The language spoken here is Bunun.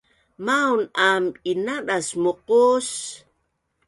Maun aam inadas muqus